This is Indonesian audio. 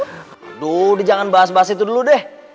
aduh jangan bahas bahas itu dulu deh